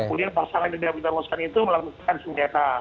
nah kemudian pasangan yang sudah kita lewaskan itu melakukan sengketa